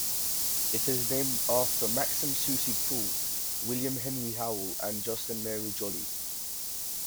It is named after Maxim Soucy-Proulx, William Henry Howell and Justin Marie Jolly.